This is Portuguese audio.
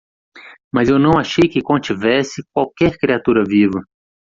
Mas eu não achei que contivesse qualquer criatura viva.